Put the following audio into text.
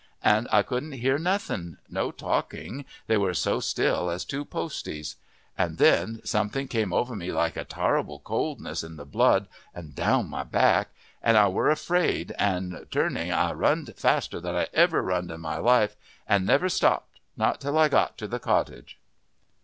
An' I couldn't hear nothing no talking, they were so still as two posties. Then something came over me like a tarrible coldness in the blood and down my back, an' I were afraid, and turning I runned faster than I ever runned in my life, an' never stopped not till I got to the cottage."